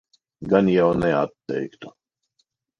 Gan jau neatteiktu.